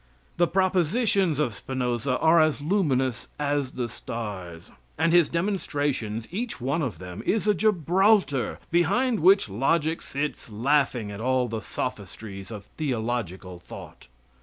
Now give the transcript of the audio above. The propositions of Spinoza are as luminous as the stars, and his demonstrations, each one of them, is a Gibraltar, behind which logic sits laughing at all the sophistries of theological thought.